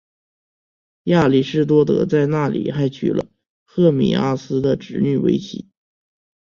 亚里士多德在那里还娶了赫米阿斯的侄女为妻。